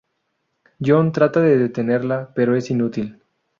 John trata de detenerla pero es inútil.